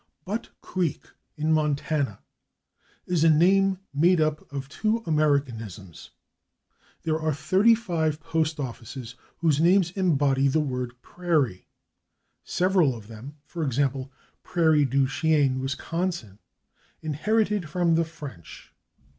/Butte Creek/, in /Montana/, is a name made up of two Americanisms. There are thirty five postoffices whose names embody the word /prairie/, several of them, /e. g./, /Prairie du Chien/, Wis., inherited from the French.